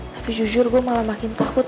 tapi jujur gue malah makin takut